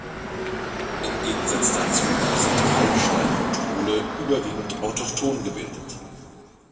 Im Gegensatz dazu sind Kalksteine und Kohle überwiegend autochthon gebildet.